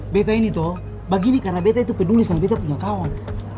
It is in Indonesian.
bete ini toh begini karena bete itu pendulis nah bete punya kawan